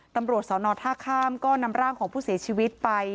ตำรวจสอนอท่าข้ามก็นำร่างของผู้เสียชีวิตไป